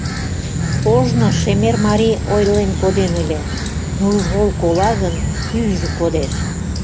Ожно шемер марий ойлен коден ыле: «Нужгол кола гын, пӱйжӧ кодеш».